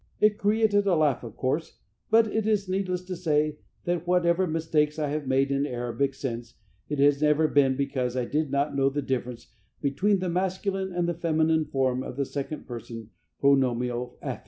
It created a laugh, of course, but it is needless to say that whatever mistakes I have made in Arabic since, it has never been because I did not know the difference between the masculine and feminine form of the second person pronominal affix.